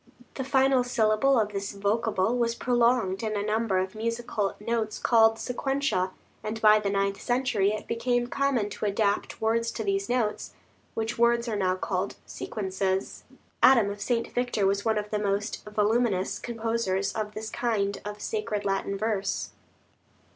The final syllable of this vocable was prolonged in a number of musical notes called sequentia, and by the ninth century it became common to adapt words to these notes, which words are now called "sequences." Adam of St. Victor was one of the most voluminous composers of this kind of sacred Latin verse.